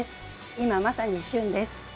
今まさに旬です。